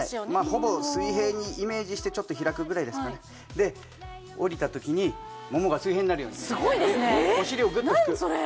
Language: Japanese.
ほぼ水平にイメージしてちょっと開くぐらいですかねで下りたときにももが水平になるようにすごいですね